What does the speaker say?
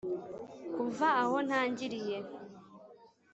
kuva aho ntangiriye,